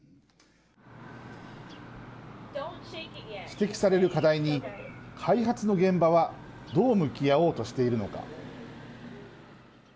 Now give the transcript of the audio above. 指摘される課題に開発の現場はどう向き合おうとしているのか。